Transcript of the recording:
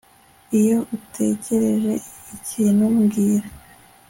Iyo utekereje ikintu mbwira